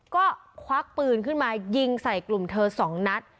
ก็ควักปืนขึ้นมายิงใส่กลุ่มเธอสองนัด